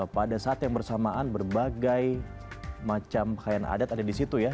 pada saat yang bersamaan berbagai macam kain adat ada di situ ya